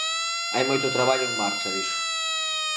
Hai moito traballo en marcha, dixo.